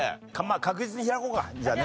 確実に開こうかじゃあね。